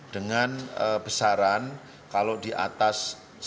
dengan besaran kalau di atas seratus